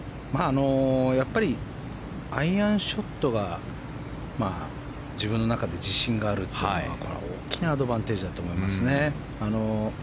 やっぱりアイアンショットが自分の中で自信があるというのは大きなアドバンテージだと思いますね。